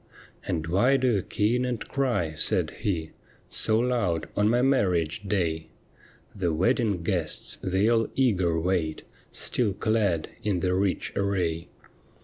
' And why do you keen and cry,' said he, ' So loud on my marriage day ? The wedding guests, they all eager wait Still clad in their rich array.